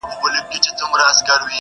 هر څه هماغسې مبهم پاتې کيږي,